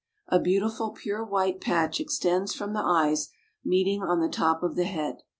A beautiful pure white patch extends from the eyes, meeting on the top of the head.